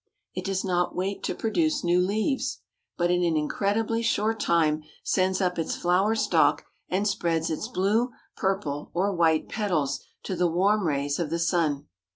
It does not wait to produce new leaves, but in an incredibly short time sends up its flower stalk and spreads its blue, purple or white petals to the warm rays of the sun.